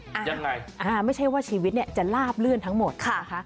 ยังไงอ่าไม่ใช่ว่าชีวิตเนี่ยจะลาบลื่นทั้งหมดนะคะ